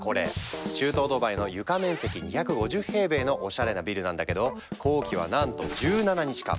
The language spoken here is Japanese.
中東ドバイの床面積２５０平米のおしゃれなビルなんだけど工期はなんと１７日間！